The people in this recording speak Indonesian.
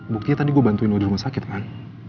buktinya tadi gue bantuin gue di rumah sakit kan